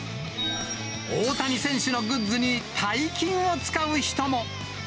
大谷選手のグッズに大金を使う人も。